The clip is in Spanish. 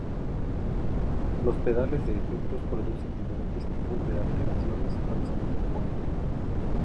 Los pedales de efectos producen diferentes tipos de alteraciones al sonido fuente.